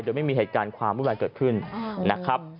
โดยไม่มีเหตุการณ์ความวุ่นวายเกิดขึ้นนะครับ